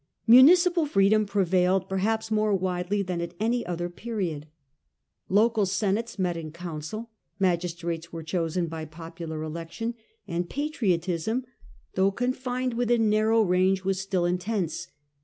Municipal freedom prevailed perhaps more widely than at any other period. Local senates met in council, Public spirit ^"^^^^^strates were chosen by popular election, and munifi and patriotism, though confined within nar cence. range, was still intense.